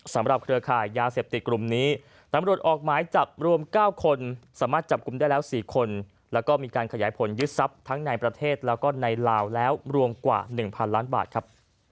เครือข่ายยาเสพติดกลุ่มนี้ตำรวจออกหมายจับรวม๙คนสามารถจับกลุ่มได้แล้ว๔คนแล้วก็มีการขยายผลยึดทรัพย์ทั้งในประเทศแล้วก็ในลาวแล้วรวมกว่า๑๐๐ล้านบาทครับ